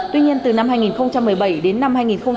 tuy nhiên từ năm hai nghìn một mươi bảy đến năm hai nghìn một mươi bảy